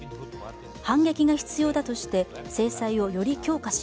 反撃が必要だとして、制裁をより強化し